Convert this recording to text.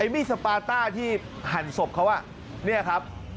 มีดสปาต้าที่หั่นศพเขาเนี่ยครับ